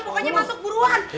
pokoknya masuk buruan